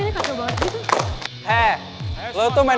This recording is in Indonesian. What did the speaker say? nggak usah ditempelin